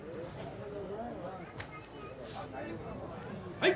はい！